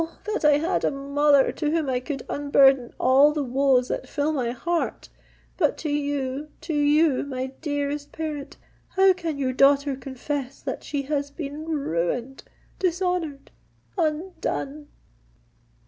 that I had a mother to whom I could unburthen all the woes that fill my heart:—but to you—to you—my dearest parent—how can your daughter confess that she has been ruined—dishonoured—undone?"